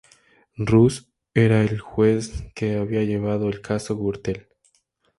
Ruz era el juez que había llevado el Caso Gürtel.